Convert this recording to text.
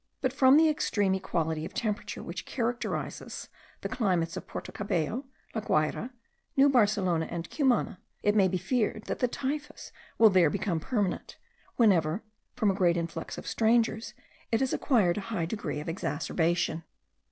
But from the extreme equality of temperature which characterizes the climates of Porto Cabello, La Guayra, New Barcelona, and Cumana, it may be feared that the typhus will there become permanent, whenever, from a great influx of strangers, it has acquired a high degree of exacerbation.